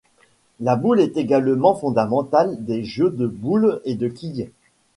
La boule est un élément fondamental des jeux de boules et de quilles.